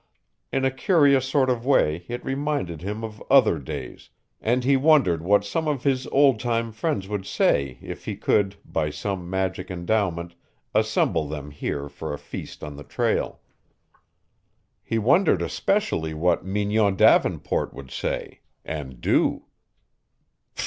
In a curious sort of way it reminded him of other days, and he wondered what some of his old time friends would say if he could, by some magic endowment, assemble them here for a feast on the trail. He wondered especially what Mignon Davenport would say and do.